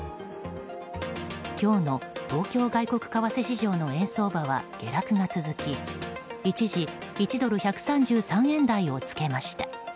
今日の東京外国為替市場の円相場は下落が続き、一時１ドル＝１３３円台をつけました。